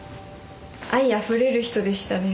愛あふれる人でしたね。